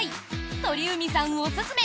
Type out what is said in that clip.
鳥海さんおすすめ！